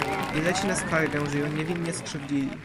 "I leci na skargę, że ją niewinnie skrzywdzili."